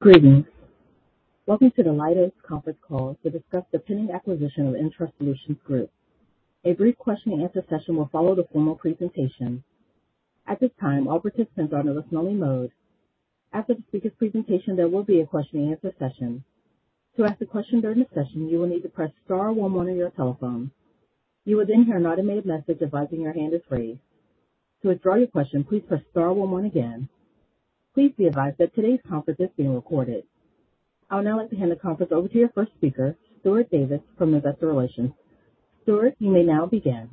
Greetings. Welcome to the Leidos conference call to discuss the pending acquisition of ENTRUST Solutions Group. A brief question-and-answer session will follow the formal presentation. At this time, all participants are in a listen-only mode. After the speaker's presentation, there will be a question-and-answer session. To ask a question during the session, you will need to press star one on your telephone. You will then hear an automated message advising your hand is raised. To withdraw your question, please press star one one again. Please be advised that today's conference is being recorded. I would now like to hand the conference over to your first speaker, Stuart Davis, from Investor Relations. Stuart, you may now begin.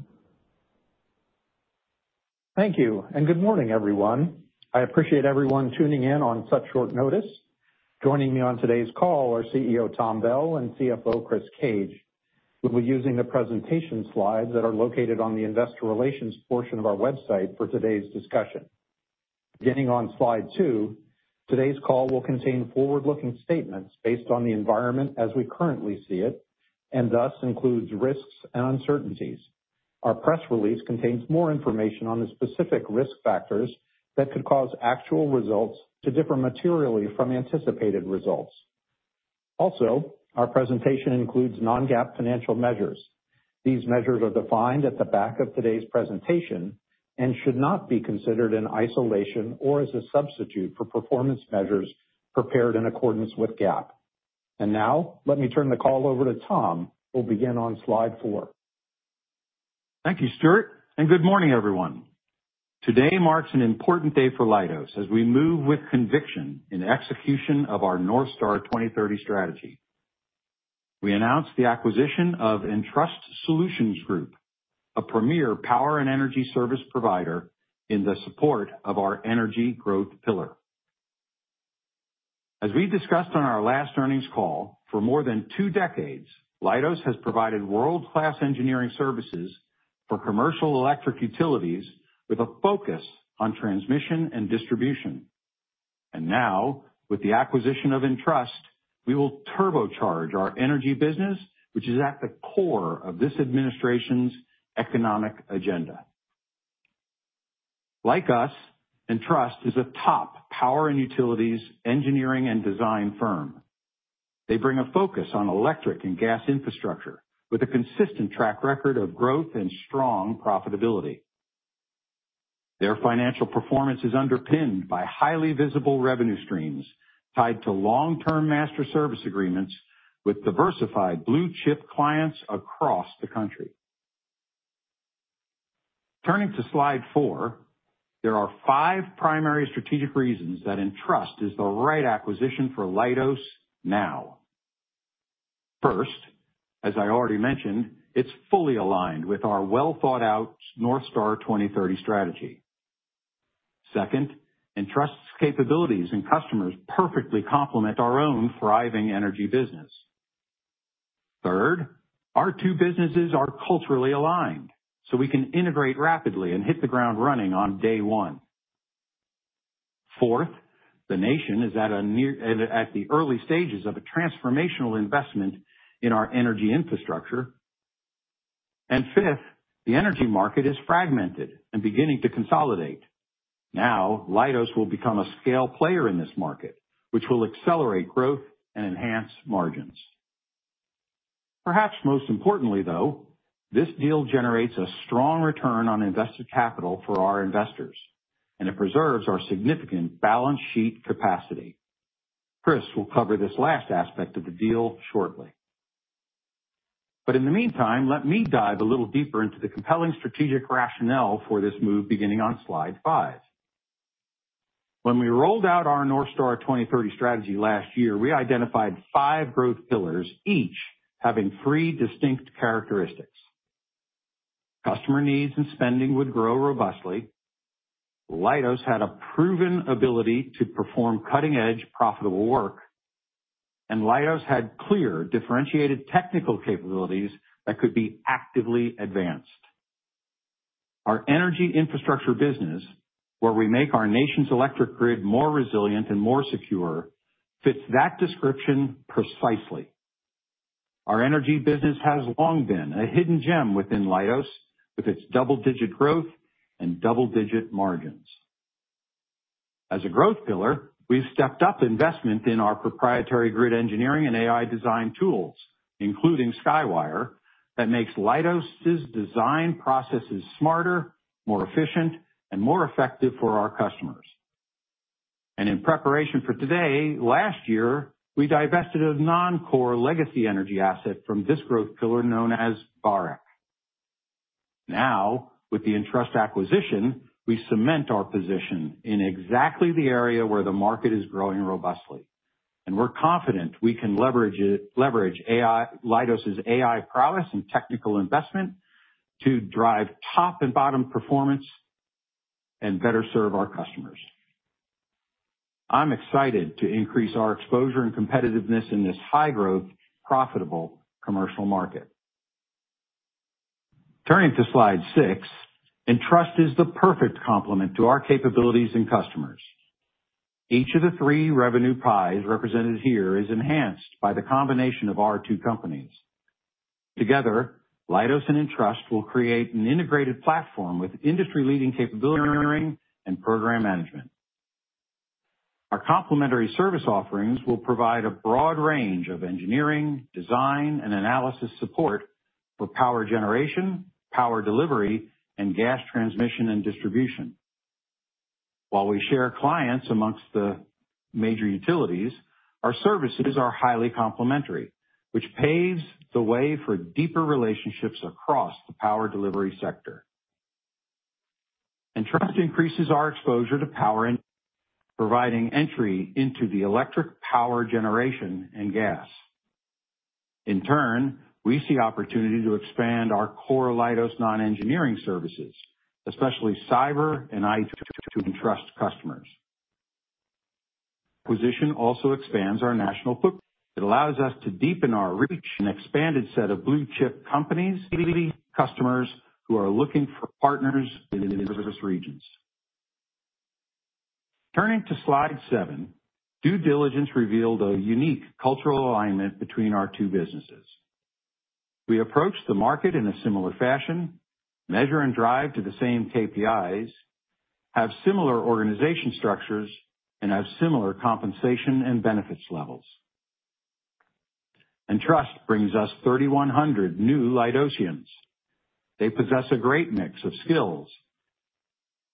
Thank you, and good morning, everyone. I appreciate everyone tuning in on such short notice. Joining me on today's call are CEO Tom Bell and CFO Chris Cage. We'll be using the presentation slides that are located on the investor relations portion of our website for today's discussion. Beginning on slide two, today's call will contain forward-looking statements based on the environment as we currently see it, and thus includes risks and uncertainties. Our press release contains more information on the specific risk factors that could cause actual results to differ materially from anticipated results. Also, our presentation includes non-GAAP financial measures. These measures are defined at the back of today's presentation and should not be considered in isolation or as a substitute for performance measures prepared in accordance with GAAP. Now, let me turn the call over to Tom, who'll begin on slide four. Thank you, Stuart, and good morning, everyone. Today marks an important day for Leidos as we move with conviction in execution of our North Star 2030 strategy. We announced the acquisition of ENTRUST Solutions Group, a premier power and energy service provider, in the support of our energy growth pillar. As we discussed on our last earnings call, for more than two decades, Leidos has provided world-class engineering services for commercial electric utilities with a focus on transmission and distribution. And now, with the acquisition of Entrust, we will turbocharge our energy business, which is at the core of this administration's economic agenda. Like us, ENTRUST is a top power and utilities engineering and design firm. They bring a focus on electric and gas infrastructure with a consistent track record of growth and strong profitability. Their financial performance is underpinned by highly visible revenue streams tied to long-term master service agreements with diversified blue-chip clients across the country. Turning to slide four, there are five primary strategic reasons that ENTRUST is the right acquisition for Leidos now. First, as I already mentioned, it's fully aligned with our well-thought-out North Star 2030 strategy. Second, ENTRUST's capabilities and customers perfectly complement our own thriving energy business. Third, our two businesses are culturally aligned, so we can integrate rapidly and hit the ground running on day one. Fourth, the nation is at the early stages of a transformational investment in our energy infrastructure. Fifth, the energy market is fragmented and beginning to consolidate. Now, Leidos will become a scale player in this market, which will accelerate growth and enhance margins. Perhaps most importantly, though, this deal generates a strong return on invested capital for our investors, and it preserves our significant balance sheet capacity. Chris will cover this last aspect of the deal shortly. But in the meantime, let me dive a little deeper into the compelling strategic rationale for this move beginning on slide five. When we rolled out our North Star 2030 strategy last year, we identified five growth pillars, each having three distinct characteristics. Customer needs and spending would grow robustly, Leidos had a proven ability to perform cutting-edge, profitable work, and Leidos had clear, differentiated technical capabilities that could be actively advanced. Our energy infrastructure business, where we make our nation's electric grid more resilient and more secure, fits that description precisely. Our energy business has long been a hidden gem within Leidos, with its double-digit growth and double-digit margins. As a growth pillar, we've stepped up investment in our proprietary grid engineering and AI design tools, including Skywire, that makes Leidos' design processes smarter, more efficient, and more effective for our customers. In preparation for today, last year, we divested a non-core legacy energy asset from this growth pillar known as Varec. Now, with the ENTRUST acquisition, we cement our position in exactly the area where the market is growing robustly, and we're confident we can leverage it, leverage AI, Leidos' AI prowess and technical investment to drive top and bottom performance and better serve our customers. I'm excited to increase our exposure and competitiveness in this high-growth, profitable commercial market. Turning to slide six, ENTRUST is the perfect complement to our capabilities and customers. Each of the three revenue pies represented here is enhanced by the combination of our two companies. Together, Leidos and ENTRUST will create an integrated platform with industry-leading capability, engineering, and program management. Our complementary service offerings will provide a broad range of engineering, design, and analysis support for power generation, power delivery, and gas transmission and distribution. While we share clients among the major utilities, our services are highly complementary, which paves the way for deeper relationships across the power delivery sector. ENTRUST increases our exposure to power, providing entry into the electric power generation and gas. In turn, we see opportunity to expand our core Leidos non-engineering services, especially cyber and IT to ENTRUST customers. Acquisition also expands our national footprint. It allows us to deepen our reach and expanded set of blue-chip companies, customers who are looking for partners in service regions. Turning to slide seven, due diligence revealed a unique cultural alignment between our two businesses. We approach the market in a similar fashion, measure and drive to the same KPIs, have similar organization structures, and have similar compensation and benefits levels. ENTRUST brings us 3,100 new Leidosians. They possess a great mix of skills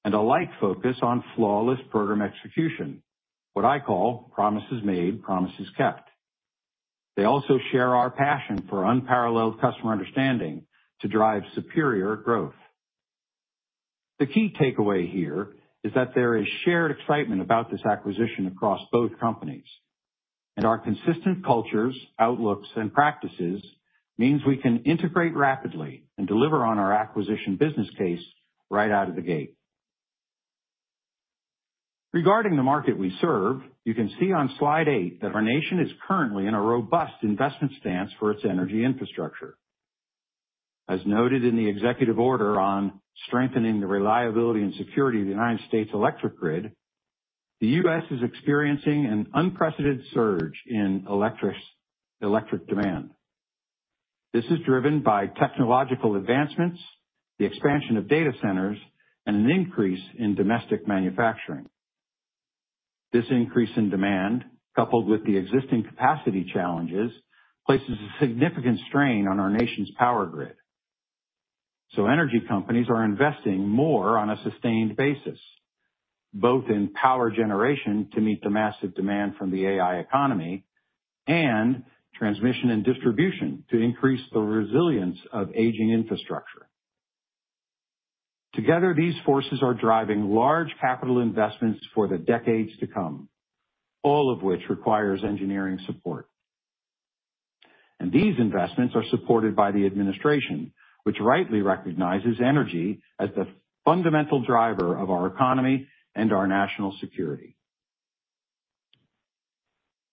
and a light focus on flawless program execution, what I call promises made, promises kept. They also share our passion for unparalleled customer understanding to drive superior growth. The key takeaway here is that there is shared excitement about this acquisition across both companies, and our consistent cultures, outlooks, and practices means we can integrate rapidly and deliver on our acquisition business case right out of the gate. Regarding the market we serve, you can see on slide eight that our nation is currently in a robust investment stance for its energy infrastructure. As noted in the executive order on strengthening the reliability and security of the United States electric grid, the U.S. is experiencing an unprecedented surge in electric demand. This is driven by technological advancements, the expansion of data centers, and an increase in domestic manufacturing. This increase in demand, coupled with the existing capacity challenges, places a significant strain on our nation's power grid. So energy companies are investing more on a sustained basis, both in power generation to meet the massive demand from the AI economy, and transmission and distribution to increase the resilience of aging infrastructure. Together, these forces are driving large capital investments for the decades to come, all of which requires engineering support. And these investments are supported by the administration, which rightly recognizes energy as the fundamental driver of our economy and our national security.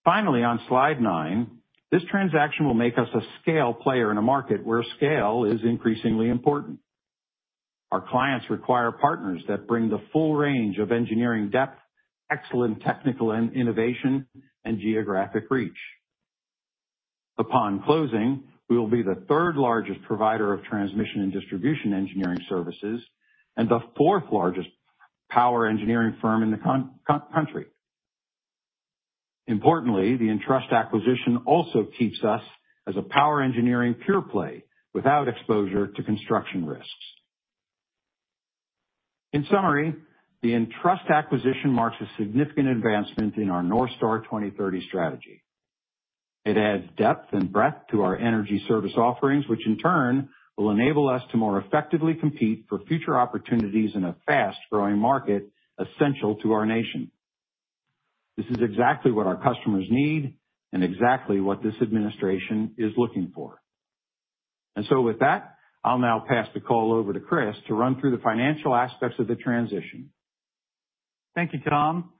Finally, on slide nine, this transaction will make us a scale player in a market where scale is increasingly important. Our clients require partners that bring the full range of engineering depth, excellent technical and innovation, and geographic reach. Upon closing, we will be the third-largest provider of transmission and distribution engineering services, and the fourth-largest power engineering firm in the country. Importantly, the ENTRUST acquisition also keeps us as a power engineering pure play without exposure to construction risks. In summary, the ENTRUST acquisition marks a significant advancement in our North Star 2030 strategy. It adds depth and breadth to our energy service offerings, which in turn will enable us to more effectively compete for future opportunities in a fast-growing market essential to our nation. This is exactly what our customers need and exactly what this administration is looking for. With that, I'll now pass the call over to Chris to run through the financial aspects of the transition. Thank you, Tom,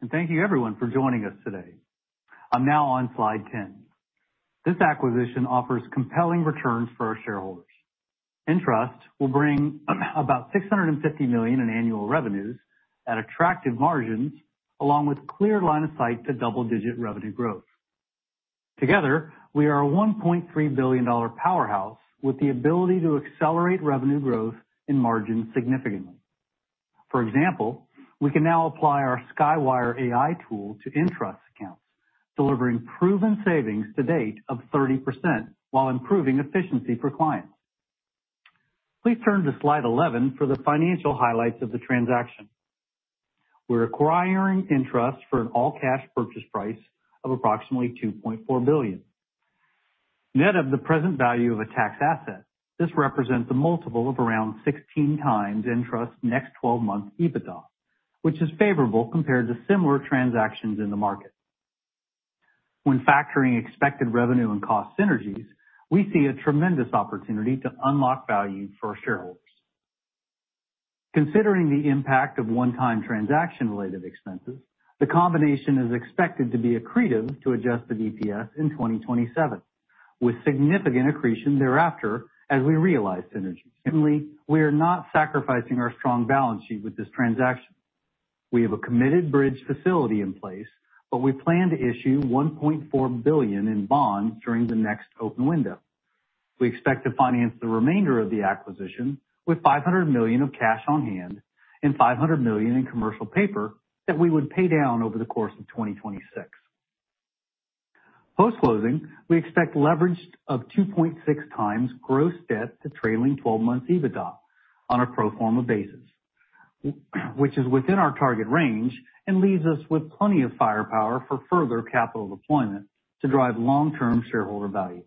and thank you everyone for joining us today. I'm now on slide 10. This acquisition offers compelling returns for our shareholders. ENTRUST will bring about $650 million in annual revenues at attractive margins, along with clear line of sight to double-digit revenue growth. Together, we are a $1.3 billion powerhouse with the ability to accelerate revenue growth and margins significantly. For example, we can now apply our Skywire AI tool to ENTRUST's accounts, delivering proven savings to date of 30% while improving efficiency for clients. Please turn to slide 11 for the financial highlights of the transaction. We're acquiring ENTRUST for an all-cash purchase price of approximately $2.4 billion. Net of the present value of a tax asset, this represents a multiple of around 16x ENTRUST's next 12 month EBITDA, which is favorable compared to similar transactions in the market. When factoring expected revenue and cost synergies, we see a tremendous opportunity to unlock value for our shareholders. Considering the impact of one-time transaction-related expenses, the combination is expected to be accretive to adjusted EPS in 2027, with significant accretion thereafter as we realize synergies. Similarly, we are not sacrificing our strong balance sheet with this transaction.... We have a committed bridge facility in place, but we plan to issue $1.4 billion in bonds during the next open window. We expect to finance the remainder of the acquisition with $500 million of cash on hand and $500 million in commercial paper that we would pay down over the course of 2026. Post-closing, we expect leverage of 2.6x gross debt to trailing 12 months EBITDA on a pro forma basis, which is within our target range and leaves us with plenty of firepower for further capital deployment to drive long-term shareholder value.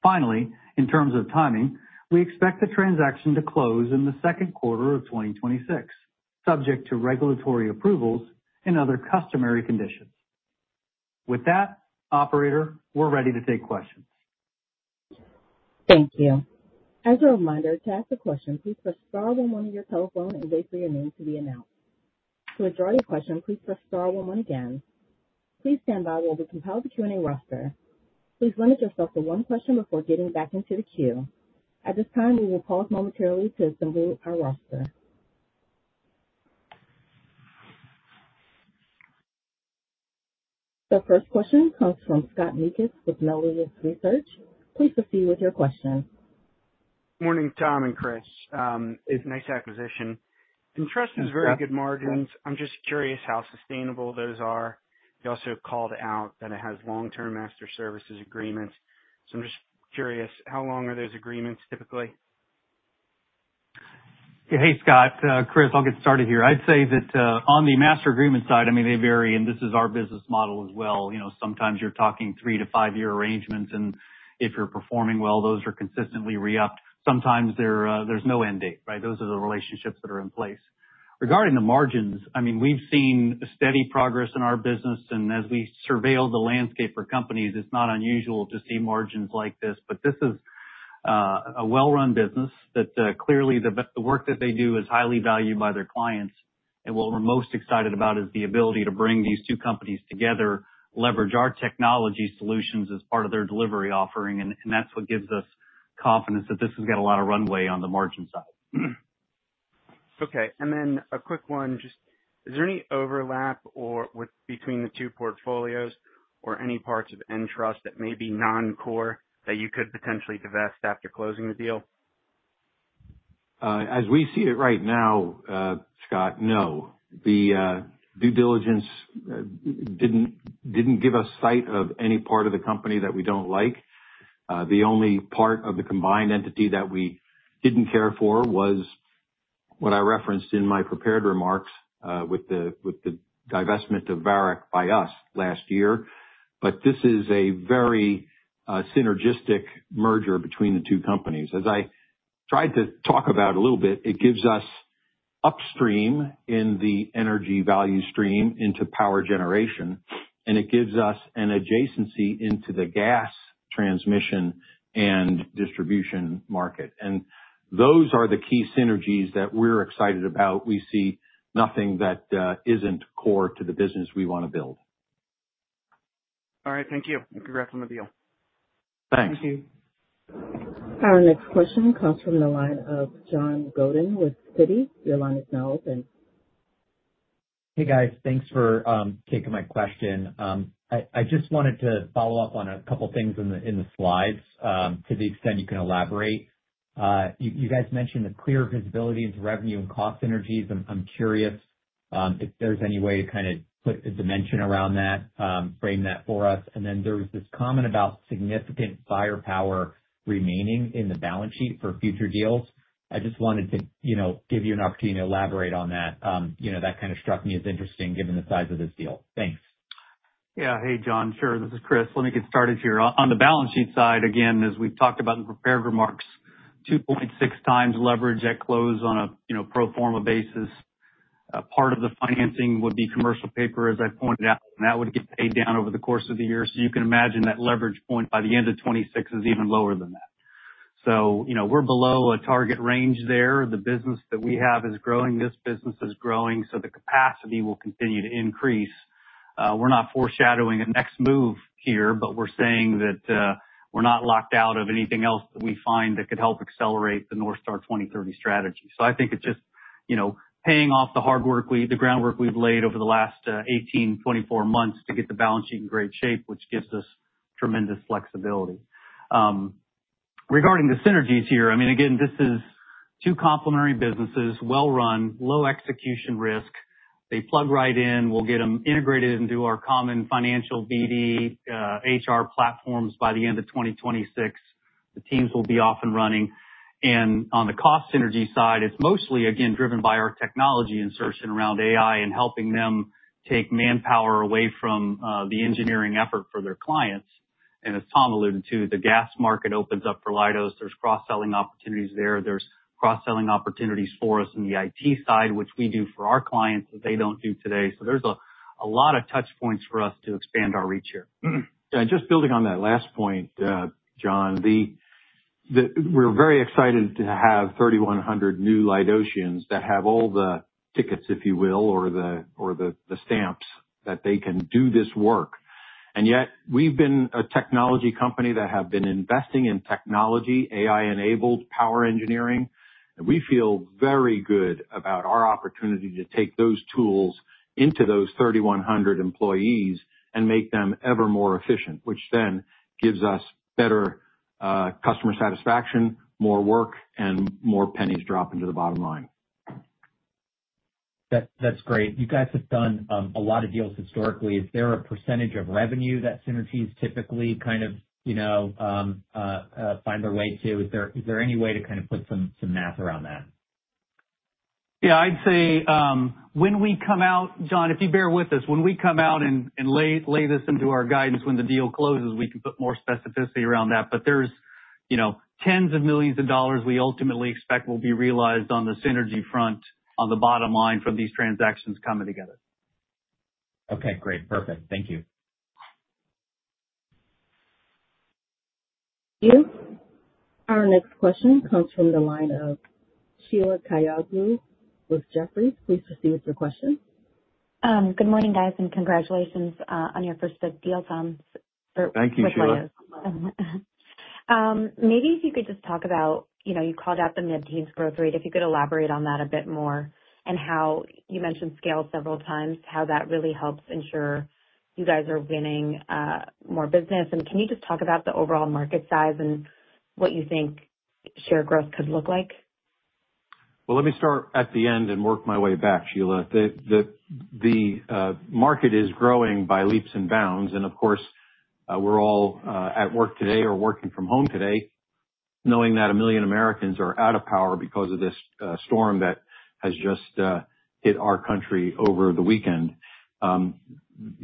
Finally, in terms of timing, we expect the transaction to close in the second quarter of 2026, subject to regulatory approvals and other customary conditions. With that, Operator, we're ready to take questions. Thank you. As a reminder, to ask a question, please press star one on your telephone and wait for your name to be announced. To withdraw your question, please press star one one again. Please stand by while we compile the Q&A roster. Please limit yourself to one question before getting back into the queue. At this time, we will pause momentarily to assemble our roster. The first question comes from Scott Mikus with Melius Research. Please proceed with your question. Morning, Tom and Chris, it's a nice acquisition. ENTRUST has very good margins. I'm just curious how sustainable those are. You also called out that it has long-term master services agreements, so I'm just curious, how long are those agreements typically? Hey, Scott. Chris, I'll get started here. I'd say that, on the master agreement side, I mean, they vary, and this is our business model as well. You know, sometimes you're talking three to five-year arrangements, and if you're performing well, those are consistently re-upped. Sometimes there's no end date, right? Those are the relationships that are in place. Regarding the margins, I mean, we've seen steady progress in our business, and as we survey the landscape for companies, it's not unusual to see margins like this. But this is a well-run business that clearly the work that they do is highly valued by their clients, and what we're most excited about is the ability to bring these two companies together, leverage our technology solutions as part of their delivery offering, and that's what gives us confidence that this has got a lot of runway on the margin side. Okay. And then a quick one, just is there any overlap or with between the two portfolios or any parts of Entrust that may be non-core, that you could potentially divest after closing the deal? As we see it right now, Scott, no. The due diligence didn't give us sight of any part of the company that we don't like. The only part of the combined entity that we didn't care for was what I referenced in my prepared remarks, with the divestment of Varec by us last year. But this is a very synergistic merger between the two companies. As I tried to talk about a little bit, it gives us upstream in the energy value stream into power generation, and it gives us an adjacency into the gas transmission and distribution market. And those are the key synergies that we're excited about. We see nothing that isn't core to the business we want to build. All right. Thank you, and congrats on the deal. Thanks. Thank you. Our next question comes from the line of John Godin with Citi. Your line is now open. Hey, guys. Thanks for taking my question. I just wanted to follow up on a couple things in the slides, to the extent you can elaborate. You guys mentioned the clear visibility into revenue and cost synergies. I'm curious if there's any way to kind of put a dimension around that, frame that for us. And then there was this comment about significant firepower remaining in the balance sheet for future deals. I just wanted to give you an opportunity to elaborate on that. You know, that kind of struck me as interesting given the size of this deal. Thanks. Yeah. Hey, John. Sure. This is Chris. Let me get started here. On the balance sheet side, again, as we've talked about in the prepared remarks, 2.6x leverage at close on a, you know, pro forma basis. A part of the financing would be commercial paper, as I pointed out, and that would get paid down over the course of the year. So you can imagine that leverage point by the end of 2026 is even lower than that. So, you know, we're below a target range there. The business that we have is growing, this business is growing, so the capacity will continue to increase. We're not foreshadowing a next move here, but we're saying that, we're not locked out of anything else that we find that could help accelerate the North Star 2030 strategy. So I think it's just, you know, paying off the hard work, the groundwork we've laid over the last 18-24 months to get the balance sheet in great shape, which gives us tremendous flexibility. Regarding the synergies here, I mean, again, this is two complementary businesses, well run, low execution risk. They plug right in. We'll get them integrated into our common financial BD, HR platforms by the end of 2026. The teams will be off and running. And on the cost synergy side, it's mostly, again, driven by our technology insertion around AI and helping them take manpower away from the engineering effort for their clients. And as Tom alluded to, the gas market opens up for Leidos. There's cross-selling opportunities there. There's cross-selling opportunities for us in the IT side, which we do for our clients that they don't do today. So there's a lot of touch points for us to expand our reach here. Yeah, just building on that last point, John, the we're very excited to have 3,100 new Leidosians that have all the tickets, if you will, or the stamps, that they can do this work. And yet, we've been a technology company that have been investing in technology, AI-enabled power engineering, and we feel very good about our opportunity to take those tools into those 3,100 employees and make them ever more efficient, which then gives us better customer satisfaction, more work, and more pennies dropping to the bottom line. That's great. You guys have done a lot of deals historically. Is there a percentage of revenue that synergies typically kind of, you know, find their way to? Is there any way to kind of put some math around that? Yeah, I'd say, when we come out, John, if you bear with us, when we come out and lay this into our guidance when the deal closes, we can put more specificity around that. But there's, you know, tens of millions of dollars we ultimately expect will be realized on the synergy front, on the bottom line from these transactions coming together. Okay, great. Perfect. Thank you. Our next question comes from the line of Sheila Kahyaoglu with Jefferies. Please proceed with your question. Good morning, guys, and congratulations on your first deal, Tom. Thank you, Sheila. Maybe if you could just talk about, you know, you called out the mid-teens growth rate, if you could elaborate on that a bit more, and how you mentioned scale several times, how that really helps ensure you guys are winning more business. And can you just talk about the overall market size and what you think share growth could look like? Well, let me start at the end and work my way back, Sheila. The market is growing by leaps and bounds, and of course, we're all at work today or working from home today, knowing that a million Americans are out of power because of this storm that has just hit our country over the weekend. You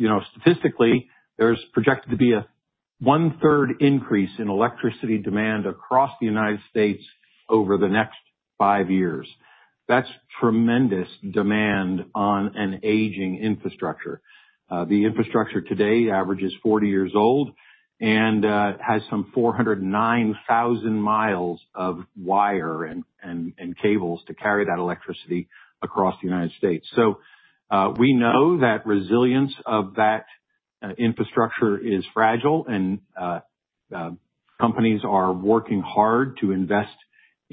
know, statistically, there's projected to be a one-third increase in electricity demand across the United States over the next five years. That's tremendous demand on an aging infrastructure. The infrastructure today averages 40 years old and has some 409,000 miles of wire and cables to carry that electricity across the United States. So, we know that resilience of that infrastructure is fragile and companies are working hard to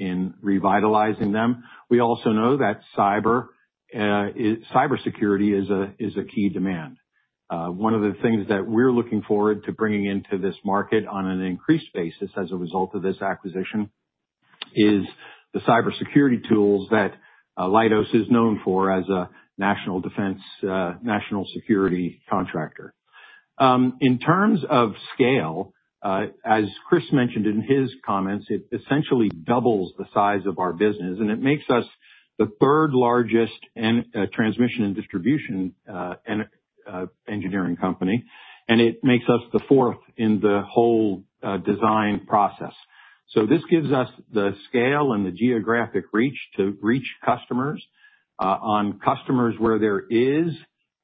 invest in revitalizing them. We also know that cybersecurity is a key demand. One of the things that we're looking forward to bringing into this market on an increased basis as a result of this acquisition is the cybersecurity tools that Leidos is known for as a national defense national security contractor. In terms of scale, as Chris mentioned in his comments, it essentially doubles the size of our business, and it makes us the third largest in transmission and distribution engineering company, and it makes us the fourth in the whole design process. So this gives us the scale and the geographic reach to reach customers. On customers where there is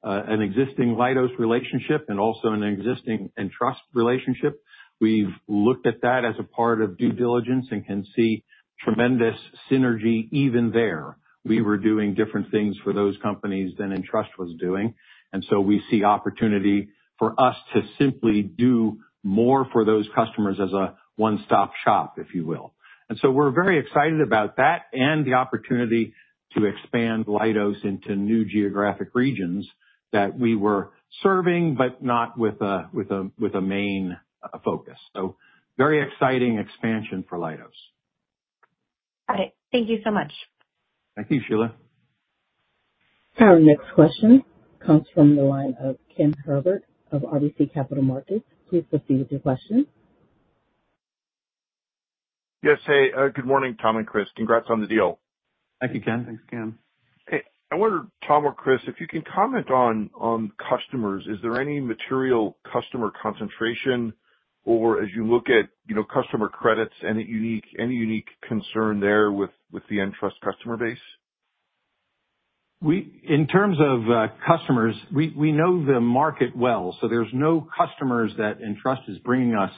an existing Leidos relationship and also an existing ENTRUST relationship, we've looked at that as a part of due diligence and can see tremendous synergy even there. We were doing different things for those companies than ENTRUST was doing, and so we see opportunity for us to simply do more for those customers as a one-stop shop, if you will. And so we're very excited about that and the opportunity to expand Leidos into new geographic regions that we were serving, but not with a main focus. So very exciting expansion for Leidos. All right. Thank you so much. Thank you, Sheila. Our next question comes from the line of Ken Herbert of RBC Capital Markets. Please proceed with your question. Yes. Hey, good morning, Tom and Chris. Congrats on the deal. Thank you, Ken. Thanks, Ken. Hey, I wonder, Tom or Chris, if you can comment on customers, is there any material customer concentration? Or as you look at, you know, customer credits, any unique concern there with the ENTRUST customer base? In terms of customers, we know the market well, so there's no customers that ENTRUST is bringing us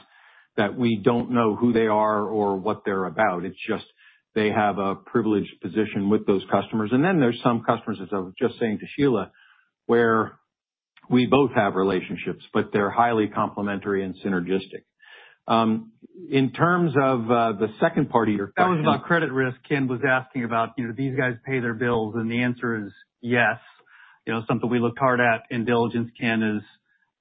that we don't know who they are or what they're about. It's just they have a privileged position with those customers. And then there's some customers, as I was just saying to Sheila, where we both have relationships, but they're highly complementary and synergistic. In terms of the second part of your question. That was about credit risk, Ken was asking about, you know, do these guys pay their bills? And the answer is yes. You know, something we looked hard at in diligence, Ken, is,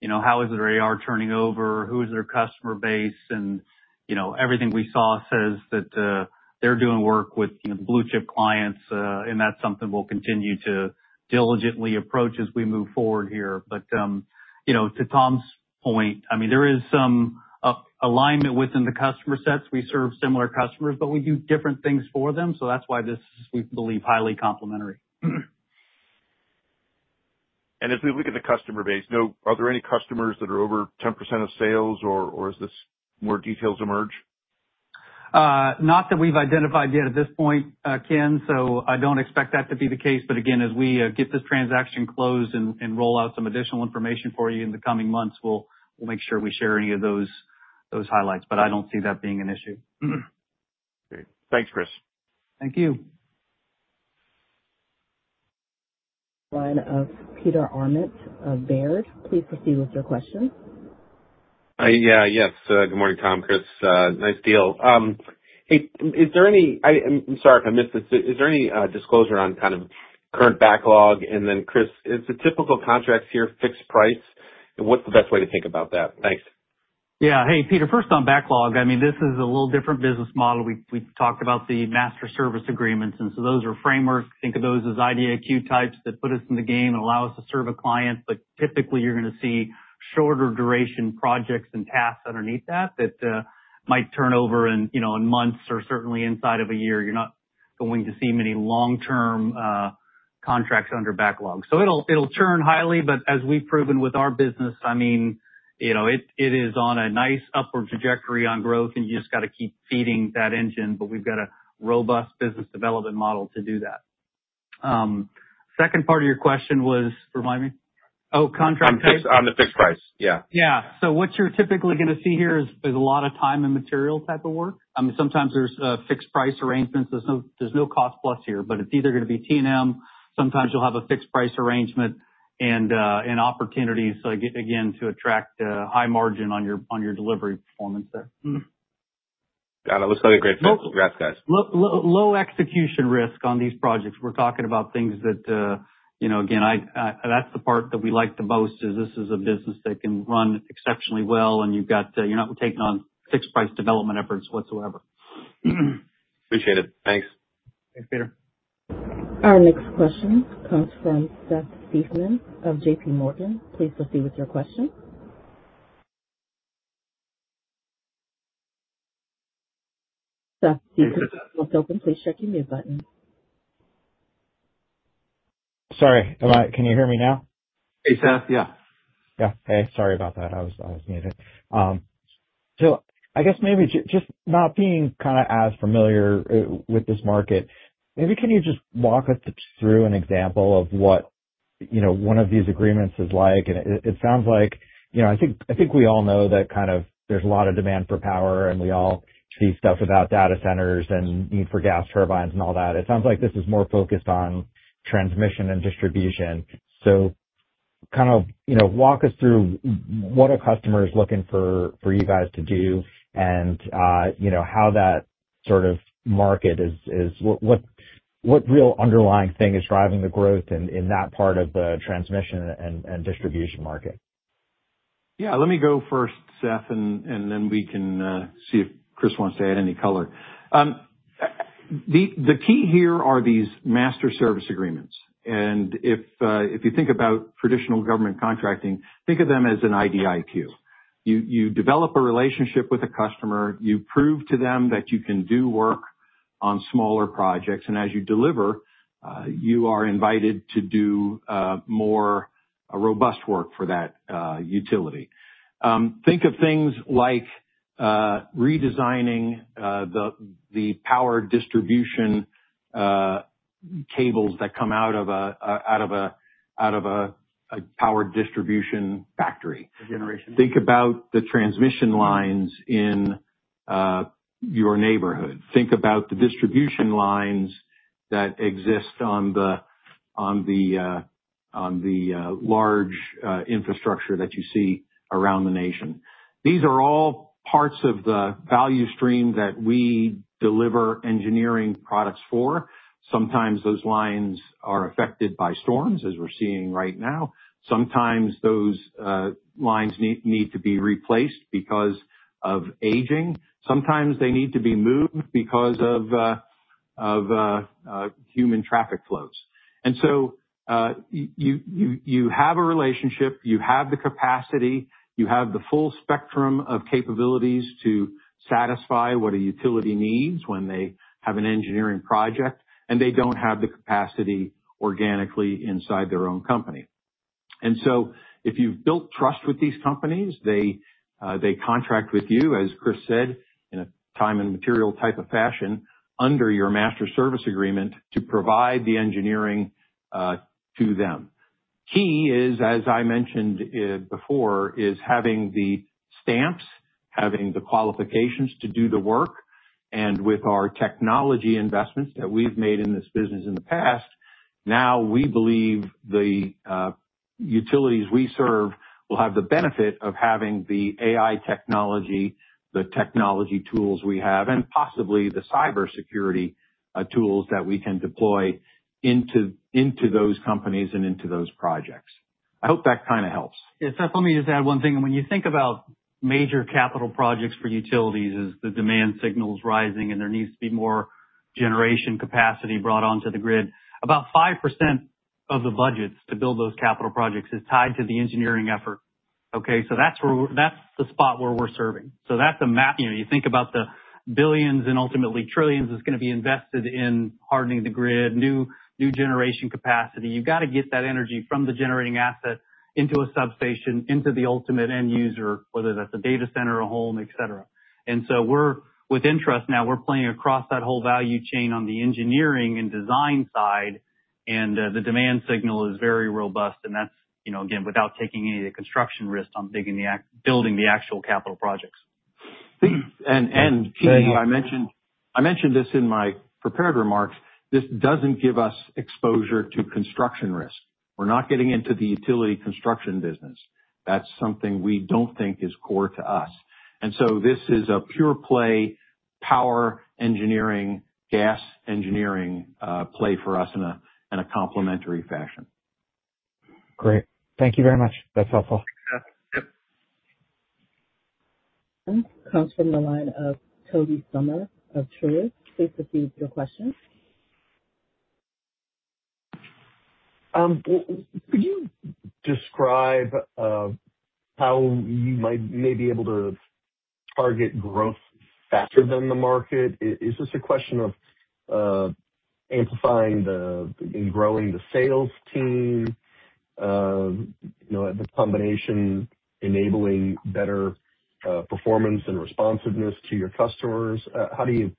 you know, how is their AR turning over? Who's their customer base? And, you know, everything we saw says that they're doing work with, you know, blue-chip clients, and that's something we'll continue to diligently approach as we move forward here. But, you know, to Tom's point, I mean, there is some alignment within the customer sets. We serve similar customers, but we do different things for them, so that's why this, we believe, highly complementary. As we look at the customer base, are there any customers that are over 10% of sales, or as this more details emerge? Not that we've identified yet at this point, Ken, so I don't expect that to be the case. But again, as we get this transaction closed and roll out some additional information for you in the coming months, we'll make sure we share any of those highlights. But I don't see that being an issue. Great. Thanks, Chris. Thank you. Line of Peter Arment of Baird. Please proceed with your question. Yeah, yes. Good morning, Tom, Chris, nice deal. Hey, Is there any disclosure on kind of current backlog? And then, Chris, is the typical contract here fixed price, and what’s the best way to think about that? Thanks. Yeah. Hey, Peter. First on backlog, I mean, this is a little different business model. We've, we've talked about the master service agreements, and so those are frameworks. Think of those as IDIQ types that put us in the game and allow us to serve a client. But typically, you're gonna see shorter duration projects and tasks underneath that, that might turn over in, you know, in months or certainly inside of a year. You're not going to see many long-term contracts under backlog. So it'll, it'll churn highly, but as we've proven with our business, I mean, you know, it, it is on a nice upward trajectory on growth, and you just got to keep feeding that engine, but we've got a robust business development model to do that. Second part of your question was, remind me. Oh, contract price. On the fixed price. Yeah. Yeah. So what you're typically gonna see here is a lot of time and material type of work. I mean, sometimes there's fixed price arrangements. There's no, there's no cost plus here, but it's either gonna be T&M, sometimes you'll have a fixed price arrangement and opportunities, so again, to attract high margin on your, on your delivery performance there. Mm. Got it. Well, it's still a great model. Congrats, guys. Low execution risk on these projects. We're talking about things that, you know, again, that's the part that we like the most, is this is a business that can run exceptionally well and you've got, you're not taking on fixed price development efforts whatsoever. Appreciate it. Thanks. Thanks, Peter. Our next question comes from Seth Seifman of J.P. Morgan. Please proceed with your question. Seth, you're still muted. Please check your mute button. Sorry about it. Can you hear me now? Hey, Seth. Yeah. Yeah. Hey, sorry about that, I was muted. So I guess maybe just not being kind of as familiar with this market, maybe can you just walk us through an example of what, you know, one of these agreements is like? And it sounds like, you know, I think we all know that kind of there's a lot of demand for power, and we all see stuff about data centers and need for gas turbines and all that. It sounds like this is more focused on transmission and distribution. So kind of, you know, walk us through what are customers looking for, for you guys to do, and, you know, how that sort of market is what real underlying thing is driving the growth in that part of the transmission and distribution market? Yeah. Let me go first, Seth, and then we can see if Chris wants to add any color. The key here are these master service agreements, and if you think about traditional government contracting, think of them as an IDIQ. You develop a relationship with a customer, you prove to them that you can do work on smaller projects, and as you deliver, you are invited to do more robust work for that utility. Think of things like redesigning the power distribution cables that come out of a power distribution factory. Generation. Think about the transmission lines in your neighborhood. Think about the distribution lines that exist on the large infrastructure that you see around the nation. These are all parts of the value stream that we deliver engineering products for. Sometimes those lines are affected by storms, as we're seeing right now. Sometimes those lines need to be replaced because of aging. Sometimes they need to be moved because of human traffic flows. And so, you have a relationship, you have the capacity, you have the full spectrum of capabilities to satisfy what a utility needs when they have an engineering project, and they don't have the capacity organically inside their own company. And so if you've built trust with these companies, they contract with you, as Chris said, in a time and material type of fashion, under your master service agreement to provide the engineering to them. Key is, as I mentioned before, is having the stamps, having the qualifications to do the work, and with our technology investments that we've made in this business in the past, now we believe the utilities we serve will have the benefit of having the AI technology, the technology tools we have, and possibly the cybersecurity tools that we can deploy into those companies and into those projects. I hope that kind of helps. Yeah, Seth, let me just add one thing. When you think about major capital projects for utilities, as the demand signal is rising and there needs to be more generation capacity brought onto the grid, about 5% of the budgets to build those capital projects is tied to the engineering effort. Okay? So that's where we're serving. That's the spot where we're serving. So that's the, you know, you think about the billions and ultimately trillions, that's going to be invested in hardening the grid, new, new generation capacity. You've got to get that energy from the generating asset into a substation, into the ultimate end user, whether that's a data center or a home, etc. And so we're with ENTRUST now, we're playing across that whole value chain on the engineering and design side, and the demand signal is very robust, and that's, you know, again, without taking any of the construction risk on digging the building the actual capital projects. Keith, I mentioned this in my prepared remarks. This doesn't give us exposure to construction risk. We're not getting into the utility construction business. That's something we don't think is core to us. And so this is a pure play, power engineering, gas engineering play for us in a complementary fashion. Great. Thank you very much. That's helpful. Yeah. Yep. Comes from the line of Tobey Sommer of Truist. Please proceed with your question. Could you describe how you may be able to target growth faster than the market? Is this a question of amplifying and growing the sales team? You know, the combination enabling better performance and responsiveness to your customers? How do you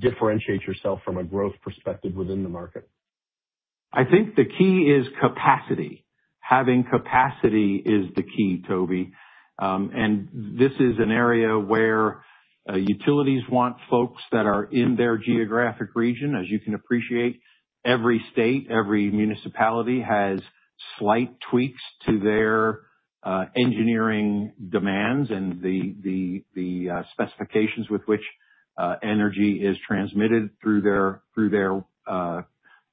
differentiate yourself from a growth perspective within the market? I think the key is capacity. Having capacity is the key, Tobey. And this is an area where utilities want folks that are in their geographic region. As you can appreciate, every state, every municipality has slight tweaks to their engineering demands and the specifications with which energy is transmitted through their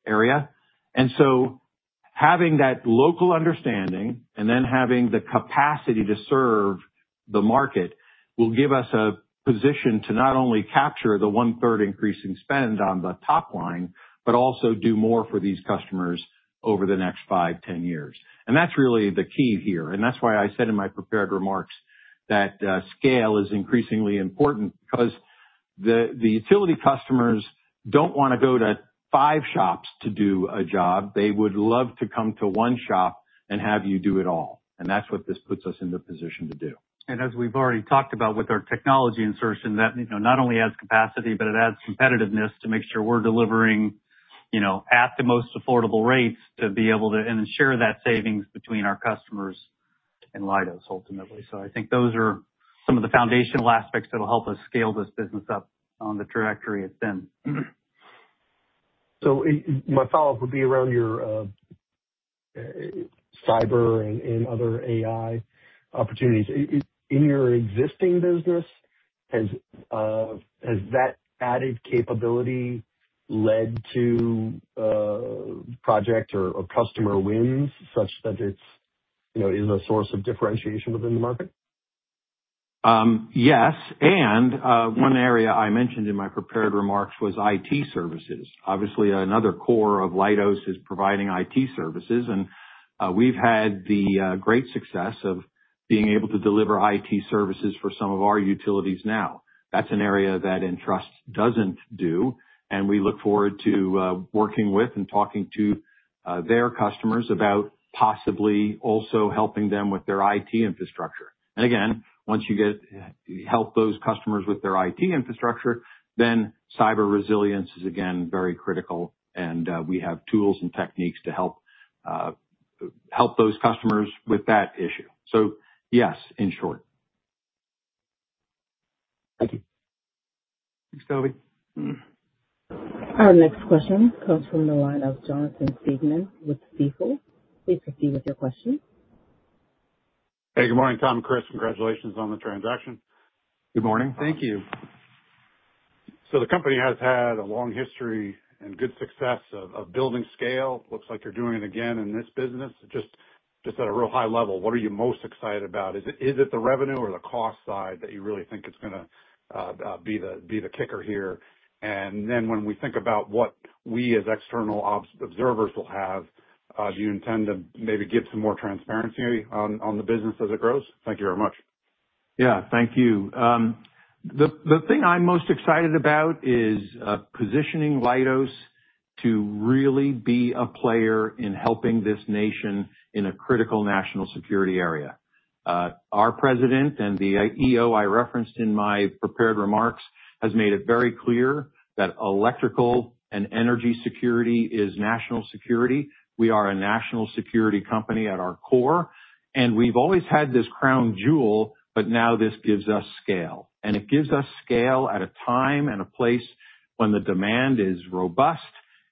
area. And so having that local understanding and then having the capacity to serve the market will give us a position to not only capture the one-third increase in spend on the top line, but also do more for these customers over the next five, 10 years. And that's really the key here. And that's why I said in my prepared remarks that scale is increasingly important because the utility customers don't want to go to five shops to do a job. They would love to come to one shop and have you do it all, and that's what this puts us in the position to do. As we've already talked about with our technology insertion, that, you know, not only adds capacity, but it adds competitiveness to make sure we're delivering, you know, at the most affordable rates, to be able to and share that savings between our customers and Leidos, ultimately. So I think those are some of the foundational aspects that will help us scale this business up on the trajectory it's in. So my follow-up would be around your cyber and other AI opportunities. In your existing business, has that added capability led to project or customer wins, such that it's, you know, is a source of differentiation within the market? Yes, and one area I mentioned in my prepared remarks was IT services. Obviously, another core of Leidos is providing IT services, and we've had the great success of being able to deliver IT services for some of our utilities now. That's an area that ENTRUST doesn't do, and we look forward to working with and talking to their customers about possibly also helping them with their IT infrastructure. And again, once you help those customers with their IT infrastructure, then cyber resilience is, again, very critical, and we have tools and techniques to help those customers with that issue. So yes, in short. Thank you. Thanks, Tobey. Our next question comes from the line of Jonathan Siegmann with Stifel. Please proceed with your question. Hey, good morning, Tom, Chris. Congratulations on the transaction. Good morning. Thank you. So the company has had a long history and good success of building scale. Looks like you're doing it again in this business. Just at a real high level, what are you most excited about? Is it the revenue or the cost side that you really think is gonna be the kicker here? And then when we think about what we, as external observers, will have, do you intend to maybe give some more transparency on the business as it grows? Thank you very much. Yeah. Thank you. The thing I'm most excited about is positioning Leidos to really be a player in helping this nation in a critical national security area. Our president and the EO I referenced in my prepared remarks has made it very clear that electrical and energy security is national security. We are a national security company at our core, and we've always had this crown jewel, but now this gives us scale. And it gives us scale at a time and a place when the demand is robust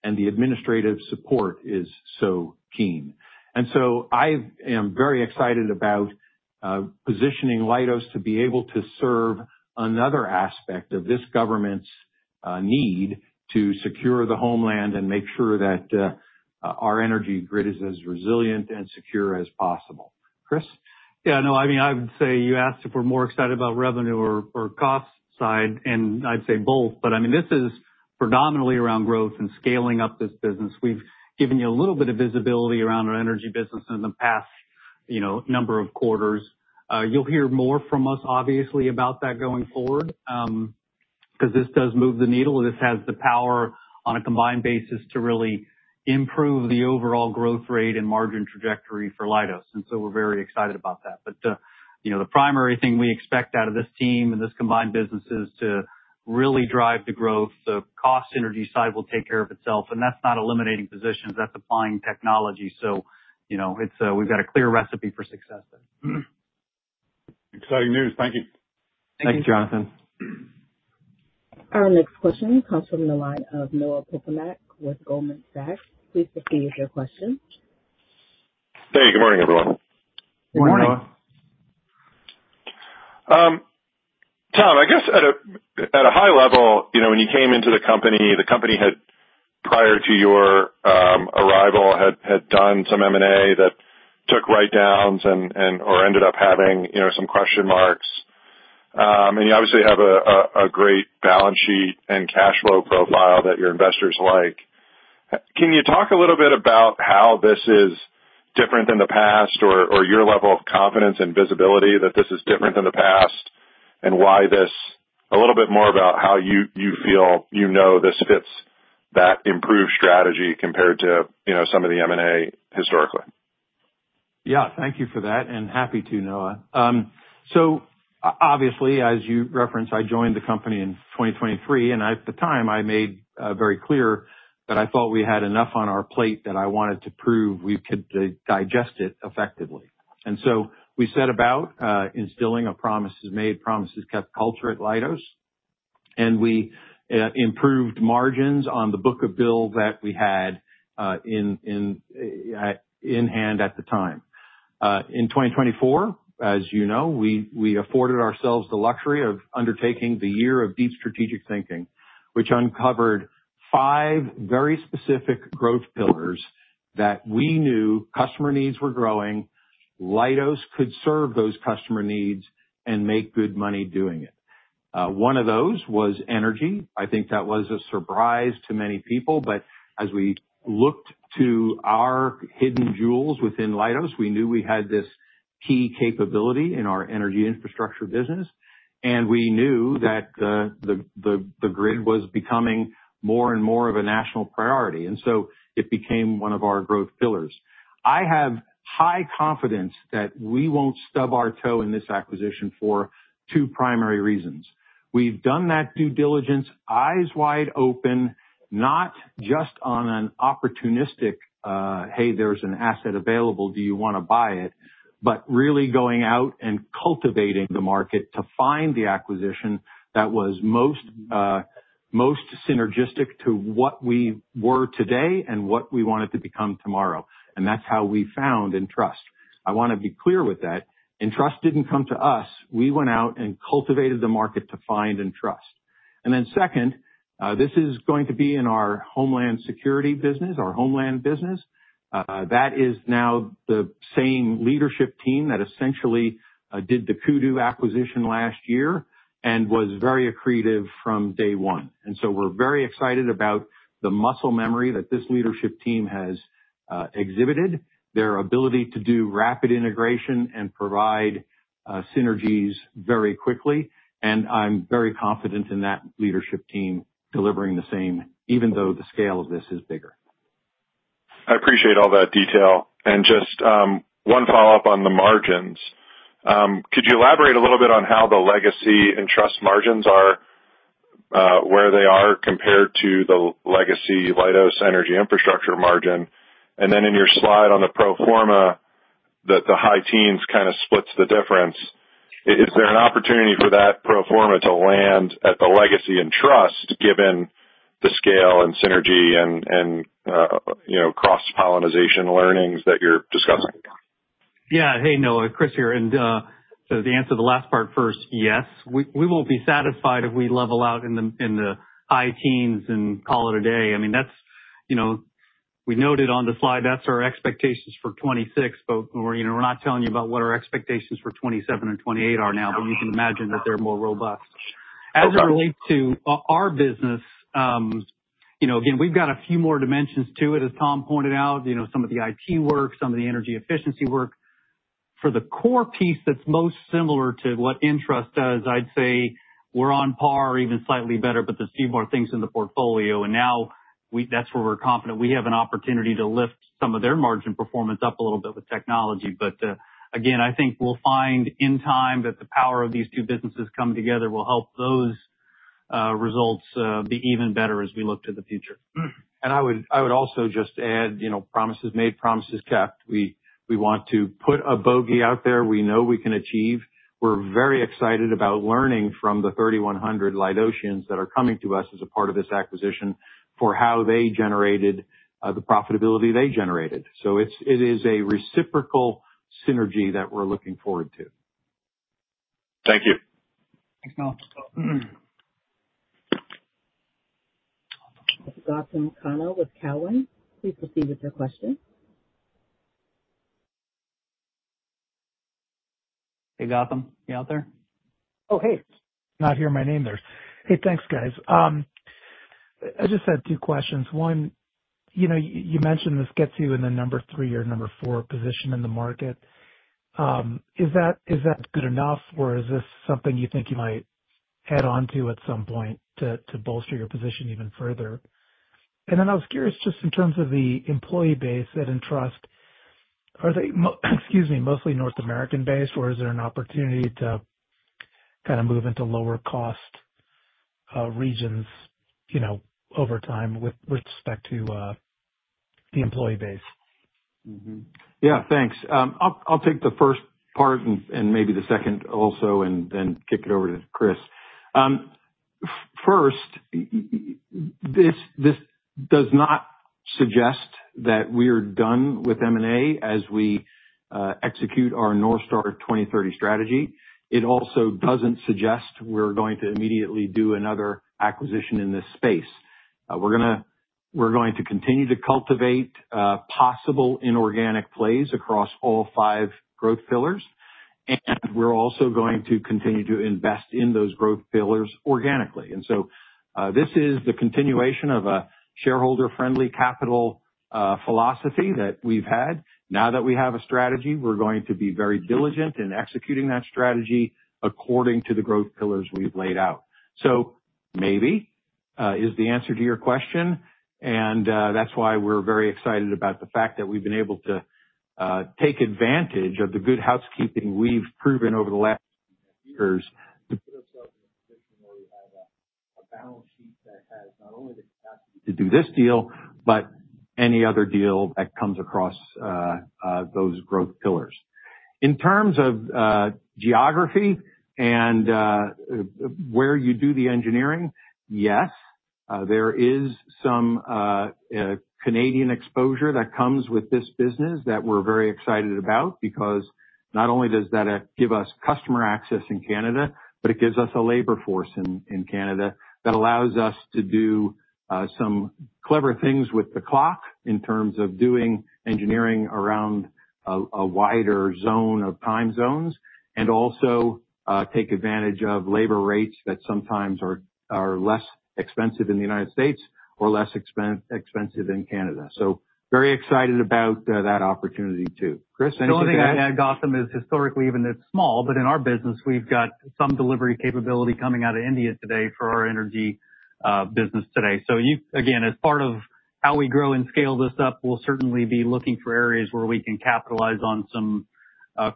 and the administrative support is so keen. And so I am very excited about positioning Leidos to be able to serve another aspect of this government's need to secure the homeland and make sure that our energy grid is as resilient and secure as possible. Chris? Yeah, no, I mean, I would say you asked if we're more excited about revenue or, or cost side, and I'd say both, but, I mean, this is predominantly around growth and scaling up this business. We've given you a little bit of visibility around our energy business in the past, you know, number of quarters. You'll hear more from us, obviously, about that going forward, because this does move the needle. This has the power on a combined basis to really improve the overall growth rate and margin trajectory for Leidos, and so we're very excited about that. But, you know, the primary thing we expect out of this team and this combined business is to really drive the growth. The cost synergy side will take care of itself, and that's not eliminating positions, that's applying technology. So, you know, it's, we've got a clear recipe for success there. Exciting news. Thank you. Thank you, Jonathan. Our next question comes from the line of Noah Poponak with Goldman Sachs. Please proceed with your question. Hey, good morning, everyone. Good morning. Good morning. Tom, I guess at a high level, you know, when you came into the company, the company had, prior to your arrival, had done some M&A that took write-downs and or ended up having, you know, some question marks. And you obviously have a great balance sheet and cash flow profile that your investors like. Can you talk a little bit about how this is different than the past, or your level of confidence and visibility that this is different than the past, and why this. A little bit more about how you feel, you know this fits that improved strategy compared to, you know, some of the M&A historically. Yeah. Thank you for that, and happy to, Noah. So obviously, as you referenced, I joined the company in 2023, and at the time, I made very clear that I thought we had enough on our plate that I wanted to prove we could digest it effectively. And so we set about instilling a promises made, promises kept culture at Leidos, and we improved margins on the book of business that we had in hand at the time. In 2024, as you know, we afforded ourselves the luxury of undertaking the year of deep strategic thinking, which uncovered five very specific growth pillars that we knew customer needs were growing, Leidos could serve those customer needs and make good money doing it. One of those was energy. I think that was a surprise to many people, but as we looked to our hidden jewels within Leidos, we knew we had this key capability in our energy infrastructure business, and we knew that the grid was becoming more and more of a national priority, and so it became one of our growth pillars. I have high confidence that we won't stub our toe in this acquisition for two primary reasons. We've done that due diligence, eyes wide open, not just on an opportunistic "Hey, there's an asset available, do you want to buy it?" But really going out and cultivating the market to find the acquisition that was most synergistic to what we were today and what we wanted to become tomorrow. And that's how we found ENTRUST. I want to be clear with that. ENTRUST didn't come to us. We went out and cultivated the market to find ENTRUST. And then second, this is going to be in our homeland security business, our homeland business. That is now the same leadership team that essentially did the Kudu acquisition last year and was very accretive from day one. And so we're very excited about the muscle memory that this leadership team has exhibited, their ability to do rapid integration and provide synergies very quickly. And I'm very confident in that leadership team delivering the same, even though the scale of this is bigger. I appreciate all that detail. Just one follow-up on the margins. Could you elaborate a little bit on how the legacy ENTRUST margins are where they are compared to the legacy Leidos energy infrastructure margin? And then in your slide on the pro forma, that the high teens kind of splits the difference, is there an opportunity for that pro forma to land at the legacy ENTRUST, given the scale and synergy and you know, cross-pollination learnings that you're discussing? Yeah. Hey, Noah, Chris here, and so to answer the last part first, yes. We won't be satisfied if we level out in the high teens and call it a day. I mean, that's, you know, we noted on the slide, that's our expectations for 2026, but, you know, we're not telling you about what our expectations for 2027 and 2028 are now, but you can imagine that they're more robust. As it relates to our business, you know, again, we've got a few more dimensions to it, as Tom pointed out. You know, some of the IT work, some of the energy efficiency work. For the core piece that's most similar to what ENTRUST does, I'd say we're on par, even slightly better, but there's a few more things in the portfolio, and now that's where we're confident we have an opportunity to lift some of their margin performance up a little bit with technology. But, again, I think we'll find in time that the power of these two businesses coming together will help those results be even better as we look to the future. I would also just add, you know, promises made, promises kept. We want to put a bogey out there we know we can achieve. We're very excited about learning from the 3,100 Leidosians that are coming to us as a part of this acquisition, for how they generated the profitability they generated. So it is a reciprocal synergy that we're looking forward to. Thank you. Thanks, Noah. Gautam Khanna with Cowen, please proceed with your question. Hey, Gautam, you out there? Oh, hey! Didn't hear my name there. Hey, thanks, guys. I just had two questions. One, you know, you mentioned this gets you in the number three or number four position in the market. Is that, is that good enough, or is this something you think you might add on to at some point to bolster your position even further? And then I was curious, just in terms of the employee base at ENTRUST, are they, excuse me, mostly North American-based, or is there an opportunity to kind of move into lower cost regions, you know, over time with, with respect to, the employee base? Yeah, thanks. I'll take the first part and maybe the second also, and then kick it over to Chris. First, this does not suggest that we are done with M&A as we execute our North Star 2030 strategy. It also doesn't suggest we're going to immediately do another acquisition in this space. We're going to continue to cultivate possible inorganic plays across all five growth pillars, and we're also going to continue to invest in those growth pillars organically. So, this is the continuation of a shareholder-friendly capital philosophy that we've had. Now that we have a strategy, we're going to be very diligent in executing that strategy according to the growth pillars we've laid out. So maybe is the answer to your question, and that's why we're very excited about the fact that we've been able to take advantage of the good housekeeping we've proven over the last years to put ourselves in a position where we have a balance sheet that has not only the capacity to do this deal, but any other deal that comes across those growth pillars. In terms of geography and where you do the engineering, yes, there is some Canadian exposure that comes with this business that we're very excited about because not only does that give us customer access in Canada, but it gives us a labor force in Canada that allows us to do some clever things with the clock in terms of doing engineering around a wider zone of time zones, and also take advantage of labor rates that sometimes are less expensive in the United States or less expensive in Canada. So very excited about that opportunity, too. Chris, anything to add? The only thing I'd add, Gautam, is historically, even it's small, but in our business, we've got some delivery capability coming out of India today for our energy business today. So you again, as part of how we grow and scale this up, we'll certainly be looking for areas where we can capitalize on some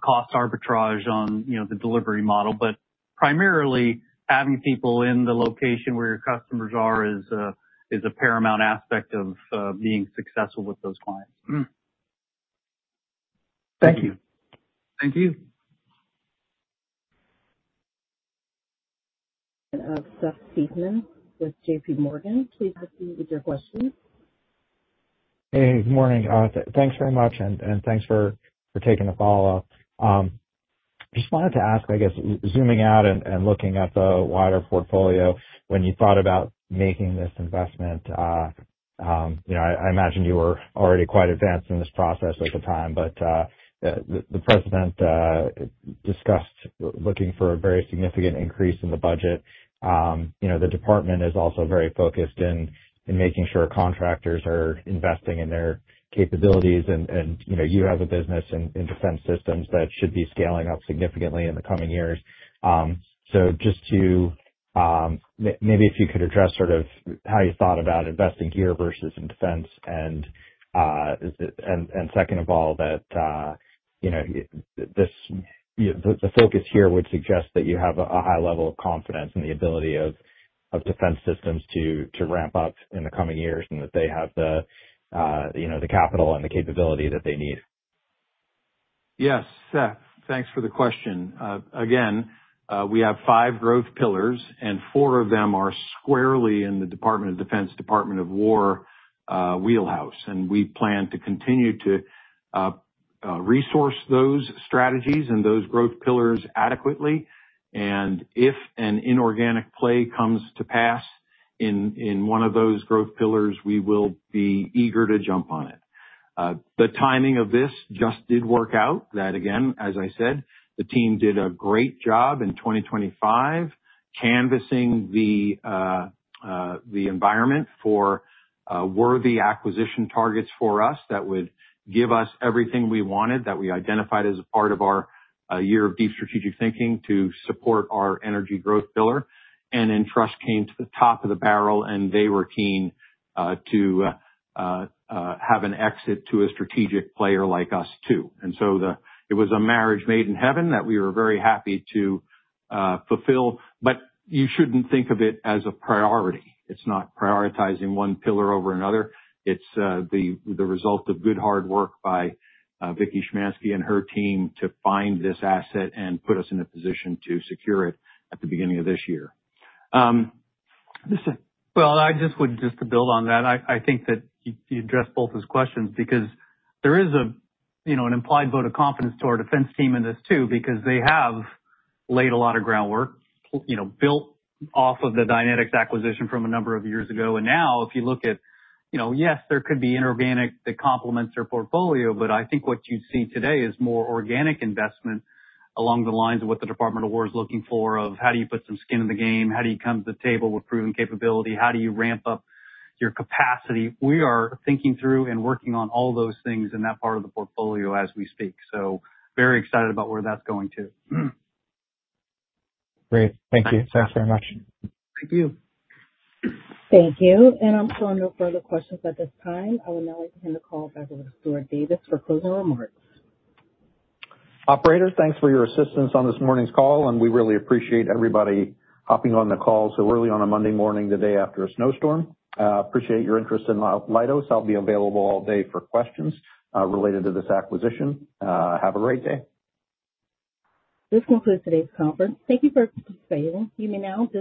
cost arbitrage on, you know, the delivery model. But primarily, having people in the location where your customers are is a paramount aspect of being successful with those clients. Thank you. Thank you. Of Seth Seifman with J.P. Morgan, please go ahead with your question. Hey, good morning. Thanks very much, and thanks for taking the follow-up. Just wanted to ask, I guess, zooming out and looking at the wider portfolio, when you thought about making this investment, you know, I imagine you were already quite advanced in this process at the time. But the president discussed looking for a very significant increase in the budget. You know, the department is also very focused in making sure contractors are investing in their capabilities. And you know, you have a business in Defense Systems that should be scaling up significantly in the coming years. So just to maybe if you could address sort of how you thought about investing here versus in defense. Second of all, you know, the focus here would suggest that you have a high level of confidence in the ability of Defense Systems to ramp up in the coming years, and that they have the, you know, the capital and the capability that they need. Yes, Seth, thanks for the question. Again, we have five growth pillars, and four of them are squarely in the Department of Defense wheelhouse, and we plan to continue to resource those strategies and those growth pillars adequately. And if an inorganic play comes to pass in one of those growth pillars, we will be eager to jump on it. The timing of this just did work out. That, again, as I said, the team did a great job in 2025, canvassing the environment for worthy acquisition targets for us that would give us everything we wanted, that we identified as a part of our year of deep strategic thinking to support our energy growth pillar. And then ENTRUST came to the top of the barrel, and they were keen to have an exit to a strategic player like us, too. And so it was a marriage made in heaven that we were very happy to fulfill. But you shouldn't think of it as a priority. It's not prioritizing one pillar over another. It's the result of good, hard work by Vicki Schmanske and her team to find this asset and put us in a position to secure it at the beginning of this year. Listen- Well, I just would, just to build on that, I think that you addressed both his questions because there is a, you know, an implied vote of confidence to our defense team in this, too, because they have laid a lot of groundwork, you know, built off of the Dynetics acquisition from a number of years ago. And now, if you look at, you know, yes, there could be inorganic that complements their portfolio, but I think what you see today is more organic investment along the lines of what the Department of Defense is looking for, of how do you put some skin in the game? How do you come to the table with proven capability? How do you ramp up your capacity? We are thinking through and working on all those things in that part of the portfolio as we speak, so very excited about where that's going, too. Great. Thank you. Thanks very much. Thank you. Thank you. And I'm showing no further questions at this time. I would now like to hand the call back over to Stuart Davis for closing remarks. Operator, thanks for your assistance on this morning's call, and we really appreciate everybody hopping on the call so early on a Monday morning, the day after a snowstorm. Appreciate your interest in Leidos. I'll be available all day for questions related to this acquisition. Have a great day. This concludes today's conference. Thank you for participating. You may now disconnect.